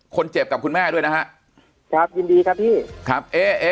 กับคุณแม่ด้วยนะฮะครับยินดีครับพี่ครับเอ๊ะ